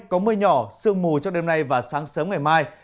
có mưa nhỏ sương mù trong đêm nay và sáng sớm ngày mai